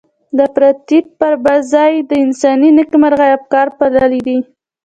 د افراطيت پر ځای د انساني نېکمرغۍ افکار پاللي دي.